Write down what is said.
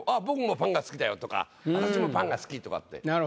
「僕もパンが好きだよ」とか「私もパンが好き」とかって。